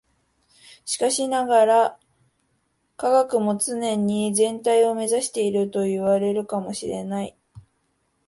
しかしながら、科学も常に全体を目指しているといわれるかも知れない。